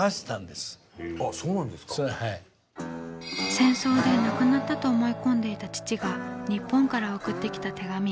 戦争で亡くなったと思い込んでいた父が日本から送ってきた手紙。